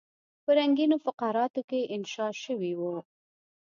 په رنګینو فقراتو کې انشا شوی وو.